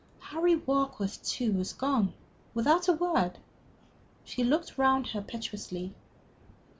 Harry Warkworth, too, was gone without a word? She looked round her piteously.